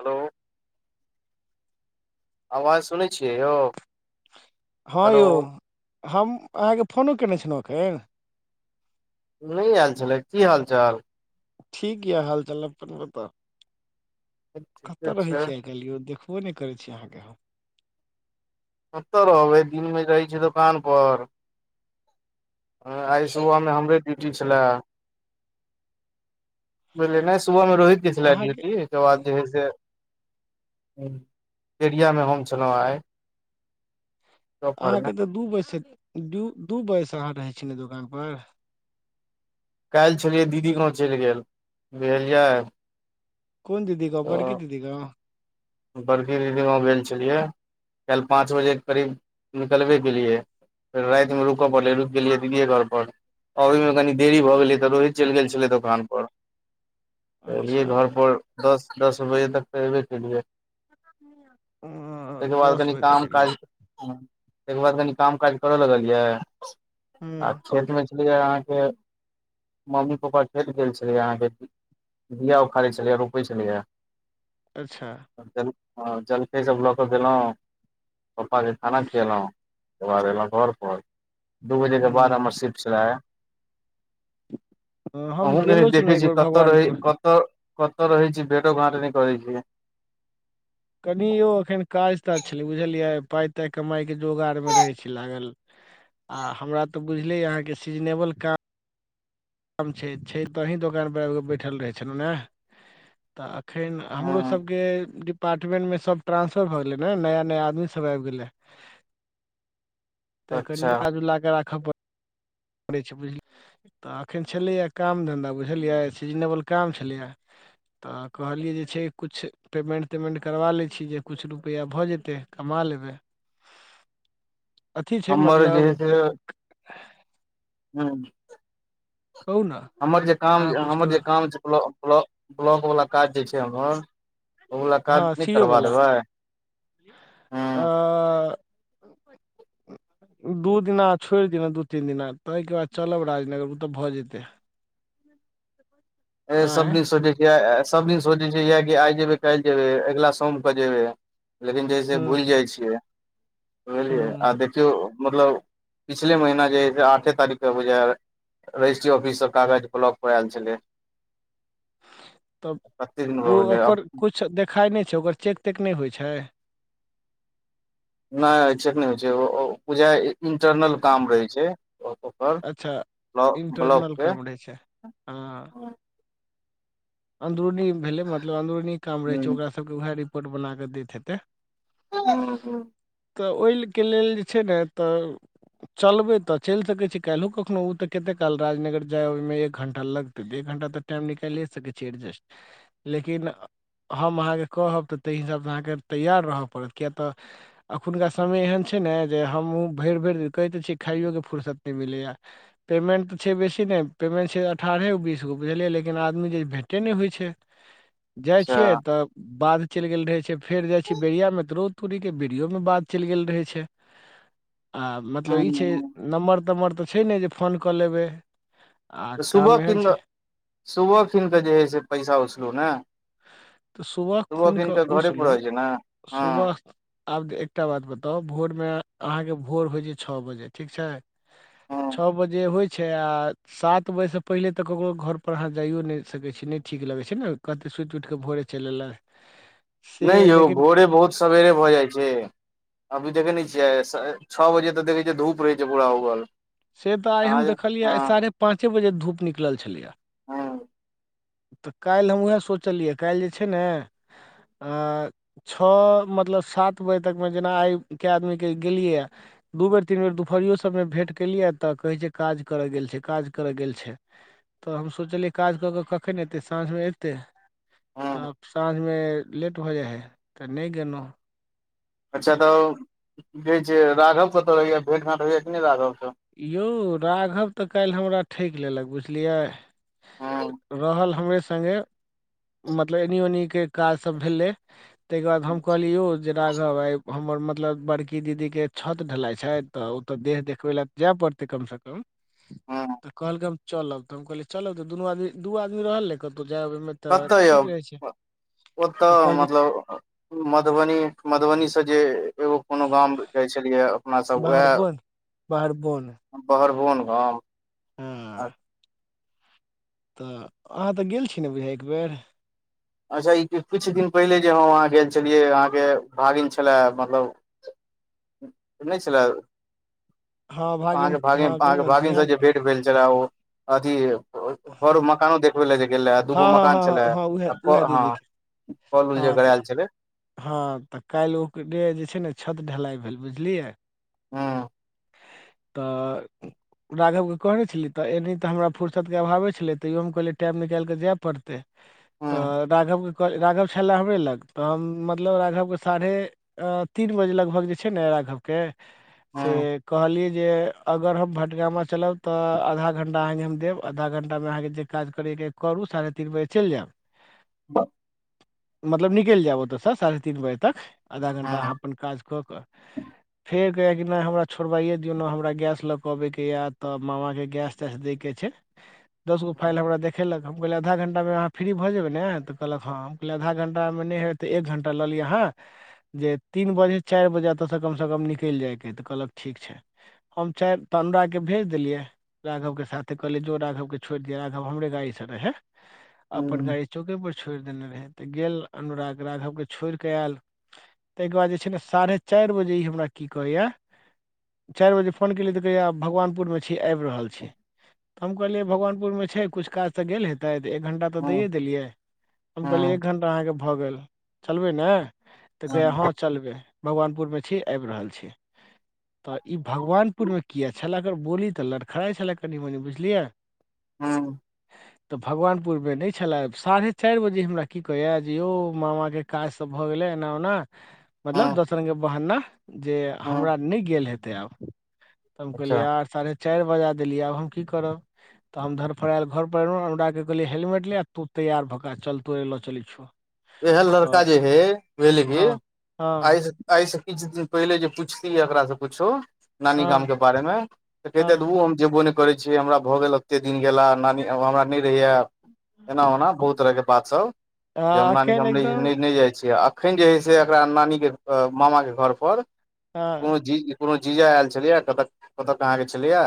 Hello. आवाज सुनै छियै यौ। हँ हेलो यौ, हम अहाँके फोनो कयने छलहुँ एखन। नहि आयल छलए, की हालचाल। ठीक य हाल-चाल, अपन बता ठीके कतऽ रहै छै छीयै। काल्हि यौ देखबो नहि करै छी अहाँके हम। कतऽ रहबै दिन में रहइ छी दोकान पर। हँ आइ अच्छा सुबह में हमरे ड्यूटी छलए। बुझलिय ने, सुबह में रोहितके छेलै अहाँके ड्यूटी। ओके बाद जे है से, एरिया में हम छलहुँ आइ। दोपहर मे अहाँके तऽ दू बजे से, दू बजे से अहाँ रहै छीय ने दोकानपर। काल्हि छलियै दीदी गाँव चलि गेल, बुझलियै। कोन दीदी गाँव, बड़की तऽ दीदी गाँव। बड़की दीदी गाँव गेल छलियै, काल्हि पाँच बजे करीब निकलबे केलियै। फेर रातिमें रुकय पड़लै, रुकि गेलियै दीदियए घर पर। अबै में कनी देरी भऽ गेलै तऽ रोहित चलि गेल छलै दोकान पर। [inaudible] त एलियै घर पर दस, दस बजे तक तऽ अयबे केलियै। ह। तेकर बाद कनि काम काज, तेकर बाद कनि काम काज करऽ लगलियै। आ हँ खेत में छलै अहाँके। मम्मी-पापा खेत गेल छलेै अहाँ के बिया उखाड़े छलेै, रोपे छेलेय। अच्छा। ज- जलखै सब लऽ कऽ गेलहु? पप्पा के खाना खियएलहुँ तकर बाद एलहुँ घर पर दू बजे के बाद हँ हमर शिफट छला है। हम अहुूँ लायेक गेलो छलहुँ देखै एक छी बेर कतऽ रहै भगवानपुर क- त-कत रहै छी भेटो- घांट नय करै छी। कनि यौ एखन काज ताज छलै बुझलियै पाइ ताइ कमाइके जोगारमे रहै छी लागल। आ हमरा तऽ बुझले अय अहाँ के सीजनेबल काम कम छै, छै त अहिं के दोकान पर आबि कऽ बैठल रहै छलहुँ ने। तऽ अखैन हमरो ह सभके डिपार्टमेन्टमे सब ट्रांसफर भए गेलै ने नया नया आदमी सब आइब गेलै। तऽ कनि अच्छा मिला जुला कऽ राखय पड़ पड़ै छै बुझ तऽ एखन छलैए काम धन्धा बुझलियै सीजनेबल काम छलैए। तऽ कहलियै जे छै कुछ पेमेन्ट तेमेन्ट तेमेन्ट करबा लै छी जे कुछ रुपैआ भऽ जेतै। कमा लेबै। अथी छै हमर जे मतलब हँ- कहु ने हमर जे काम अहाँ जे कुछ हमर कह जे काम छै, ब्ला-ब्ला-ब्लॉक वला काज जे छै हमर ओ वाला काज हँ नहि सी ओ करबा वला, देबै हूँ आ- दू दिना छोड़ि दिअउ, दू -तीन दिना तय के बाद चलब राजनगर उ तऽ भऽ जेते। [inaudible] ए सभ दिन सोचय छिय आय- सभदिन सोचय छै यै कि आइ जेबय काइल जेबै अगला सोम क जेबय। लेकिन जइसे भुइल हूँ जाइ छियै बुझलियै हूँ आब देखियौ मतलब पिछले महीना जे अय स आठे तारीख के बुझाइया र- रजिस्ट्री ऑफिससँ कागज ब्लॉक में ऐल छलै। तब कते दिन भऽ ओ गेलै आब -ओकर कुछ देखाय नहि छै ओकर चेक तेक नय होइ छै? नय चेक नय होइ छै ओ-ओ बुझाइया इं-इंटरनल काम रहै छै। अच्छा ब्लॉक इंटरनल के कम रै छै हँ हूँ अन्दरूनी भेलै मतलब अन्दरूनी काम रहै छै हूँ ओकरास सभके उएह रिपोर्ट बना कऽ दैत हेतै। हुं- हुं- तऽ ओइल के लेल जे छै ने तऽ चलबै तऽ चइल सकैत छी काइलो कखनो ओ तऽ कतेक काल राजनगर जाय आबय में एक घण्टा लगतै तऽ एक घण्टा तऽ टाइम निकाइलिये सकै छी एरजेस्ट लेकिन हम अहाँकेँ कहब तऽ तय हिसाबसँ अहाँकेँ तैआार रहय पड़त किएक तऽ अखुनका समय एहन छै ने जे हमहूँ भइर भइर कहैत त छी खाइओके फुुरसत नय मिलैये। पेमेन्ट तऽ छै बेसी नय पेमेन्ट छै अठारहे बीसगो बुझलियै लेकिन आदमी जे भेट ते नय होय छै। जाइ छियै अच्छा त- बाध चइल गेल रहे छै फेर जाय छीे बेरिया मे त रौ तोड़ी के विडियो में बात चइल गेल रहय छै। आ मतलब ई छै हूँ नम्बर तम्बर तऽ छै ने जे फोन कऽ लेबै- आ तऽ सुबह काम एहन कीन छै सुबह कीन कऽ जे हइ से पैसा उसलू ने- तऽ सुबह खुइन कीन कऽ घरे पर उसलु रहै छै ने हँ सुबह आब एकटा बात बताउ भोरमे अहाँके भोर होइ छै छ बजे ठीक छै हँ छ बजे होइ छै आ- सात बजेसँ पहिले तऽ ककरो घरपर अहाँ जाइयो नय सकै छी नय ठीक लगै छै ने कते सुइत उइठ के भोरे चइल एलय नै यौ भोरे भोर सवेरे भ जाइ छै। अभी देखै ने छियै स, छ बजे त देखै छियै धूप रहै छै पूरा उगल। से त आइ अहाँ हम जे देखलियैया, आइ हँ साढ़े पाँचे बजे धूप निकलल छलैया। हं त कालि हम वैह सोचलियै, कालि जे छै ने, अं छ मतलब सात बजे तकमे जेना आइ किए आदमीके गेलियैए। दू बेर तीन बेर दुपहरियो सबमे भेंट केलियै त कहै छै काज कर गेल छै, काज कर गेल छै। त हम सोचलियै काज क क कखनि एत्तै, साँझ मे एत्तै हँ तब साँझ मे लेट भ जाइ हइ त नै गेलौं। अच्छा त ओ [inaudible] की कहै छै, राघव कत ऐ? भेट घांट होइया कि नै राघव सं? यौ राघव त कालि हमरा ठकि लेलक बुझलियै? हँ [inaudible] रहल हमरे संगे मतलब एनी ओनी के काज सब भेलै, तै के बाद हम कहलिअइ यौ जे राघव आइ हमर मतलब बड़की दीदीके छत ढलाइ छै त ओत देह देखबै ले जाए परतै कम सं कम हँ त कहलकै हम चलब त हम कहलियै चलब त दुनू आदमी दु आदमी रहल ने कतौ जाइ अबै मे कत यौ [inaudible] ओत तऽ कहलकै मतलब मधबनी, मधबनी सं जे एगो कोनो गाम जाइ छलियैए अपना सब बाहर वैह बन बाहर [inaudible] बगरगोन गाँव हं। [inaudible] त अहाँ त गेल छी ने बुझाइया एकबेर? अच्छा ई किछ दिन पहिले जे हम अहाँ गेल छलियैया अहाँके भागिन छला मतलब नै छला? हँ अहाँके हँ भागिन, अहाँके कहियौ ने भागिनसं बिहान जे भेंट भेल छलै ओ अथी बर मकानो देख बुलै ले जे गेल रहै, हँ दूगो हँ हँ मकान छलै हँ हँ उएह आ क उएह दीदी हं कल उल जे गरायल छलै? हं त कालि ओकरे जे छै ने छत ढ़लाइ भेल बुझलिअइ? हं त राघवके कहने छलियै त एनी त हमरा फुरसतके अभावे छलै, तैयो हम कहलियै टाइम निकालिक जाए परतै। हूँ त राघव के कह, राघव छला हमरे लग त हम मतलब राघवके साढ़े अ तीन बजे लगभग जे छै ने राघवके से हूँ कहलिअइ जे अगर हम भटगामा चलब त अ आधा घंटा अहाँके हम देब आधा घंटामें अहाँके जे काज करैके अइ करू, साढ़े तीन बजे चैल जैब। [unintelligible] मतलब निकैल जैब ओतसं साढ़े तीन बजे तक आधा घंटा अहाँ हूँ अपन काज क क फेर कहैया कि न हमरा छोड़बाइए दियौ ने हमरा गैस ल क अबैके या त मामाके गैस तैस दै के छै। दसगो फाइल हमरा देखेलक, हम कहलियै आधा घंटामे अहाँ फ्री भ जेबै ने त कहलक हं। कहलियै आधा घंटामे नै हेत एक घंटा ल लिय अहाँ जे तीन बजे चारि बजे अत सं कम सं कम निकलि जाइके अइ, त कहलक ठीक छै। हम चारि त अनुराग के भेज देलियै। राघव के साथे कहलियै जो राघव के छोरि दिहै, राघव हमरे गाड़ी सं रहै, अपन हूँ गाड़ी चौके पर छोरि देने रहै, त गेल अनुराग राघवके छोरि क आएल। तै के बाद जे छै ने साढ़े चारि बजे ई हमरा की कहैया चारि बजे फोन केलियै तऽ कहिए भगवानपुरमे छि, आबि रहल छि। तऽ हम कहलियै भगवानपुरमे छै किछु काज सऽ गेल हेतै दैऽ एक घण्टा तऽ दैए हूँ देलियै, हम कहलियै एक हूँ घण्टा अहाँके भऽ गेल चलबै ने। तऽ कहिया हँं चलबे भगवानपुर में छी आबि रहल छि। तऽ ई भगवानपुरमे किया छलै एकर बोली तऽ लड़खड़इ छलै कनि मनि बुझलियै। आउ। तऽ भगवानपुरमे नहि छलै, साढ़े चारि बजे हमरा की कहैया जे यौ मामा काज सब भ गेले एना ओना मतलब हूँ दसरंग के बहना जे हूँ हमरा सुख गेल हेतै आब तऽ हम कहलियै अच्छा आर साढ़े चारि बजा देलियै, आब हम की करब। तऽ हम धरफड़ायएल घरपर एलहुँ एक गोटा के ह कहलियै हेलमेट ले तु तैयार भऽ कऽ चल तोरे ल चलै छियौ। ऐहेन लड़का तऽ जे हय बुझलिए कि हँ हँ आईस एहिइ से किछु दिन पहिले जे पुछतिै एकरा से कुछु। नानी गाम हँ के बारे मे कहते हँ उ हम जेबोने करे छिये हमरा भऽ गेला ओते दिन गेला नानी हमरा नहि रहैया एना ओना बहुत तरह के बात सब जे हम हँ नानी एखन गाम न एकदम नहि जाइ छिये अप- - अखन जे हय से एकरा नानी के मामा के घर पर हँ ओ जी कोनो जीजा आयल छलैयै, कत कहां के छलैयै,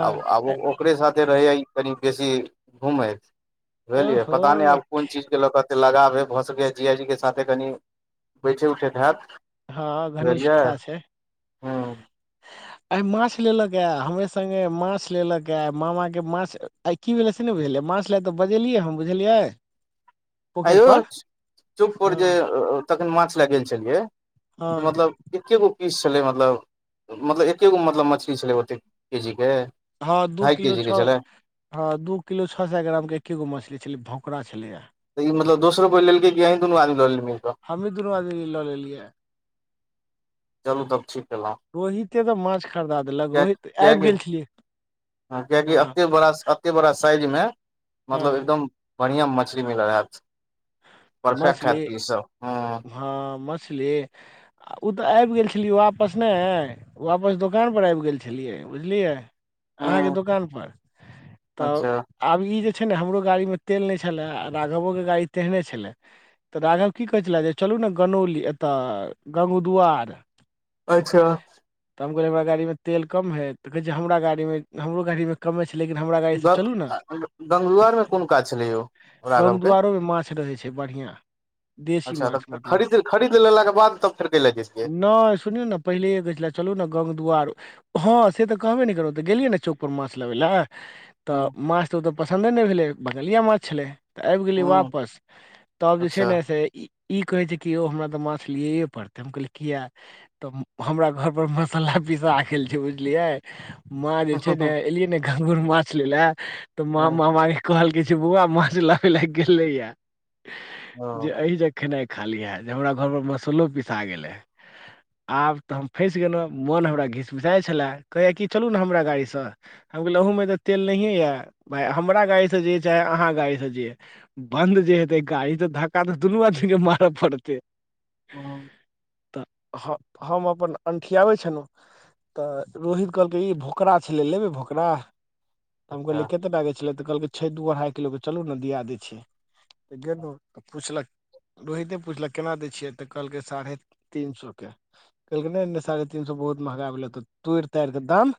आब आब ओ ओकरे साथे रहेया कनि बेसी घुमेत बुझलियै, ओहो पता नहि आब कोन चीज के लऽ कऽ एते लगावे भऽ सकैया जीजा जी के साथे कनि बैठे उठे हैत। हँ, बुझलियै घनिष्ठता छै। हूँ आय माछ लेल कय हमरे सगे माछ लेल कय मामा के माछ अई कि भेलै से नहि बुझलियै माछ लाय तऽ बजेलियै हम बुझलियै। पोखरि पर आयुछ चुप पर जे हँ तखन माछ लय गेल छलियै हँ मतलब एके गो पीस छलै मतलब मतलब एके गो मछली छलै ओतेक के जी के। हँ, दू ढाई के किलो जी के छय। छलै हँ, दू किलो छओ सए ग्रामके एके गो मछली छलै, भोकरा छलैया। लेकिन मतलब दोसरो लेलकै कि अही दुनूअदमी ललेलिए मिल क। हमही दुनू आदमी लऽ लेलियै। चलू तब ठीक के लोउ। रोहिते तऽ माछ खरीदा देलक रोहित कै आबि गेल छलियै कै बेर हँ अपने बोरा स। एते बड़ा साइज मे मतलब हँ एकदम बढ़िया मछली मिलेल छेई बरका मछली ठेपी सब हुं। हँ, मछली ओ तऽ आबि गेल छलै आपस नहि। वापस दुकानपर आबि गेल छलियै बुझलियै अहाँके हँ दुकानपर। तऽ अच्छा आब ई जे छै ने हमरो गाड़ीमे तेल नहि छलै, राघवोे गाड़ी तेहने छलै। तऽ राघव की कहै छलए जे चलू ने गनौली एतय गङ्ंगद्वार अच्छा तऽ हम कहलियै हमरा गाड़ीमे तेल कम हइ तऽ कहै छै हमरा गाड़ीमे हमरो गाड़ीमे कमे छै लेकिन हमरा गाड़ी से बक चलू ने गगुआरमे कोन काज छलै यौ गां राघव के दु्वार में माछ रहे छै। बढ़िया देशी अच्छा माछ तऽ मतलब खरीद खरीद लेलेला बाद, तब फेर की लेलै जछियै नयि सुनियौ ने पहिलेे लेलै चलू न गंगदुआर मे हँ, से त कहबे नयि केलौ त गेलियै ने चौकपर माछ लबै लए त माछ त ओतअ पसन्दे नयि भेलै, बंगलिया माछ छलै त आइब गेलै हूँ वापस तब जे छै अच्छा ने से ई कहै छै कि, यौ हमरा तऽ माछ लिए पड़तै, हम कहलियै किएक? तऽ हमरा घरपर मसाला पीसा गेल छै बुझलियै। माँ जे छै ने, हूँ एलियै ने घाघुर माछ ले ले तऽ माँ ओ मामा कहलकै जे बौआ माछ लाबे ले गेले या। जे एहि जग जे खेनाइ खाली लिहें, जे हमरा घरमे मसालो पिसा गेलै। आब तऽ हम फँसि गेलहुँ, मोन हमरा घिसमिसाइत छलए, कहैय कि चलू ने हमरा गाड़ीसँ हम कहलहुं अहूमें तऽ तेल नहिए यए, भाय हमरा गाड़ीसँ जइयै चाहे अहाँ गाड़ीसँ जइये। बन्द जे हेतै गाड़ी तऽ धक्का तऽ दुनू आदमीके मारय पड़तै। हं। तऽ हम अपन अंठियाबै छलहुँ। तऽ रोहित कहलकै ई भोकरा छलै लेबही भोकरा? त हम अच्छा कहलियै कि कतेक का के छलै, तऽ कहलकै छै दू अढ़ाइ किलो के चलू ने दिया दै छी। तऽ गेलहु तऽ पुछलक रोहिते पुछलक केना दै छियै, तऽ कहलकै साढ़े तीन सए के। कहलकै नहि, -नहि साढ़े तीन सौ बहुत महँगा भेलै, तऽ तोड़ि तारिकऽ दाम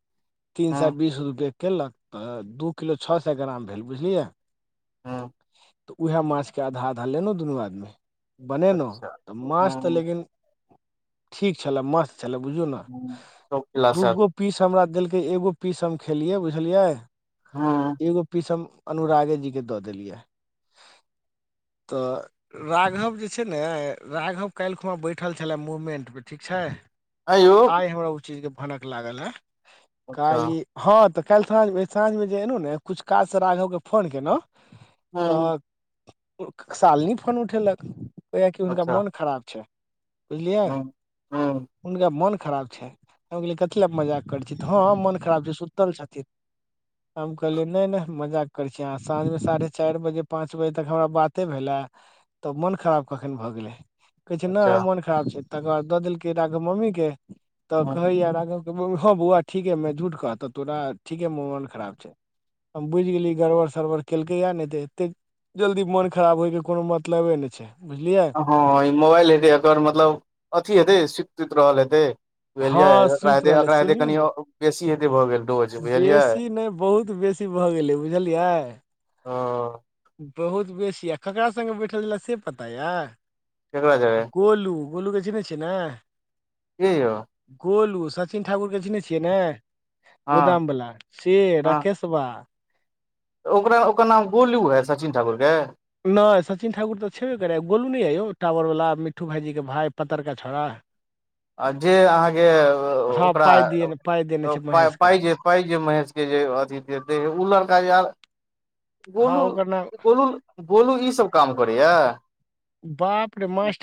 तीन सौ हूँ बीस रुपए केलक तऽ, दू किलो छओ सौ ग्राम भेल, बुझलियै। हुं। तऽ उएह माछके आधा -आधा लेलहुँ दुनू आदमी, बनेलहुँ अच्छा तऽ माछ तऽ हूँ लेकिन ठीक छल, मस्त छल, बुझु ने हूँ सब क्लास दुगो पीस हमरा देलकै, एगो पीस हम खेलियै, बुझलियै। हँ। एगो पीस हम अनुरागे जी के द देलिये। तऽ राघव जे छै ने, राघव काल्हि खुमा बैठल छलय मूवमेंट पर ठीक छै। आंयौ आइ हमरा ओ चीज के भनक लागल हे, अच्छा काल्हि इ हँ तऽ काल्हि साँझ में साँझ मे जे एलहु ने, किछ काज से राघव के फोन केलहुँ। हूँ तऽ सालनी फोन उठेलक, कहैये कि हुनका अच्छा मोन खराब छनि। बुझलियै, हूँ हूँ हुनका मोन खराब छनि। भऽ गेलै, कथि ले मजाक करै छी, हॅं मन खराब छै सुतल छथिन। हम कहलियै नहि- नहि मजाक करै छी अहाँ, साँझ मे साढ़े चारि बजे पाँच बजे तक हमरा बाते भेल हें, तऽ मोन खराब कखन भऽ गेले, कहै छै अच्छा नहि मोन खराब छै, तकर बाद द देलकै राघव मम्मी के, तऽ हूँ कहेये राघव हँ बौआ ठीकेमे झूठ कहतऽ तोरा, ठीकेमे मोन खराब छै। हम बुझि गेलियै, गड़बड़ -सड़बड़ केलकै या नहि तऽ एतेक जल्दी मोन खराब होइके कोनो मतलबे नहि छै, बुझलियै। हँ मोबाइल हेतै एकर, मतलब अथी हेतै, सुति -सुति रहल हेतै। बुझलियै हँ एकरा सुति हेतै, रहलै एकरा हेतै सुनियौ कनि ने बेसी हेतै भऽ गेल डोज, बुझलियै। अथी भऽ गेलै बुझलियै। हॅं। बहुत बेसी, आ ककरा संगे बैठल छलय से नइ पता यऽ, केकरा जेबै गोलू। गोलूके चिनहै छियै ने? के यौ? गोलू, सचिन ठाकुर के चिनहै छियै ने, हँ गोदाम बला से हँ राकेश बा। ओकरा, ओकर नाम गोलू ऐ सचिन ठाकुर के? नै सचिन ठाकुर त छेबे करा। गोलू नै ऐ यौ टावर वला मिट्ठू भाइजी के भाइ पतरका छौरा आ जे अहाँके ओ हँ ओकरा पाइ दिय पाइ देने छै पाइ, महेश के पाइ जे पाइ जे महेश के जे अथी देतै उ लड़का याल हँ गोलू, ओकर नाम गोलू, गोलू इ सभ काम करैया। बाप रे, मास्ट